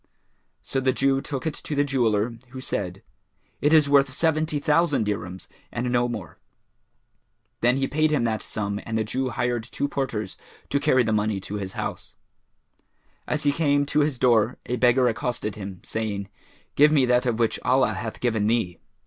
So the Jew took it to the jeweller, who said, "It is worth seventy thousand dirhams and no more." Then he paid him that sum and the Jew hired two porters to carry the money to his house. As he came to his door, a beggar accosted him, saying, "Give me of that which Allah hath given thee."